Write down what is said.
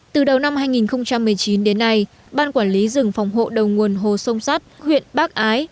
từ đầu năm hai nghìn một mươi chín đến nay ban quản lý rừng phòng hộ đầu nguồn hồ sông sắt huyện bắc ái